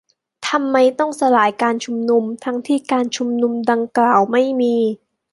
- ทำไมต้องสลายการชุมนุม ทั้งที่ การชุมนุมดังกล่าวไม่มี